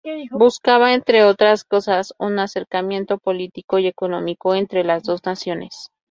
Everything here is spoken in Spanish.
Buscaba, entre otras cosas, un acercamiento político y económico entre las dos naciones.